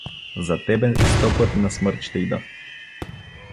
— За тебе сто пъти на смърт ще ида!